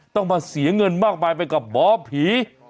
ต้องมาเสียเงินมากมายไปกับหมอผี